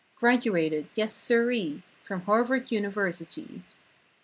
Graduated—yes sir ee! From Harvard University.